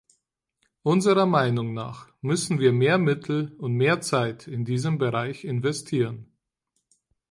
Unserer Meinung nach müssen wir mehr Mittel und mehr Zeit in diesen Bereich investieren.